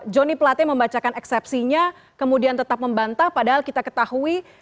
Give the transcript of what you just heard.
joni plate membacakan eksepsinya kemudian tetap membantah padahal kita ketahui